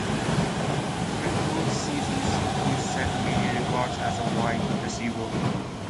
During those seasons he set many records as a wide receiver.